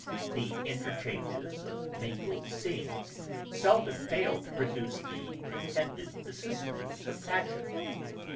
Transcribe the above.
The interchanges of mingled scenes seldom fail to produce the intended vicissitudes of passion.